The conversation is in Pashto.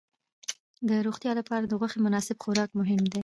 د روغتیا لپاره د غوښې مناسب خوراک مهم دی.